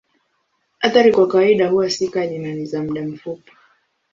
Athari kwa kawaida huwa si kali na ni za muda mfupi.